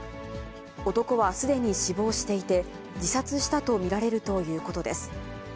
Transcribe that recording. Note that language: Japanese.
男はすでに死亡していて、自殺したと見られるということです。